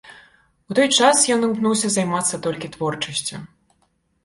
У той час ён імкнуўся займацца толькі творчасцю.